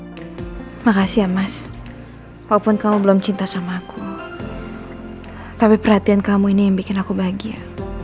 terima kasih ya mas walaupun kamu belum cinta sama aku tapi perhatian kamu ini yang bikin aku bahagia